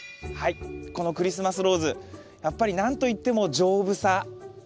はいこのクリスマスローズやっぱり何と言っても丈夫さ。